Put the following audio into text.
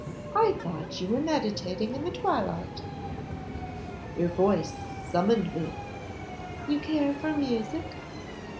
'I thought you were meditating in the twilight.' 'Your voice summoned me.' 'You care for music?